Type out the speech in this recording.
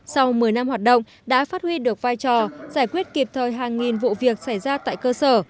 sau một mươi năm hoạt động đã phát huy được vai trò giải quyết kịp thời hàng nghìn vụ việc xảy ra tại cơ sở